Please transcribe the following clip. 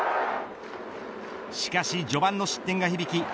しかし序盤の失点がひびき